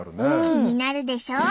気になるでしょ？